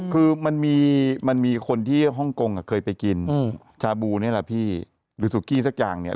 คือมันมีคนที่ฮ่องกงเคยไปกินชาบูนี่แหละพี่หรือสุกี้สักอย่างเนี่ย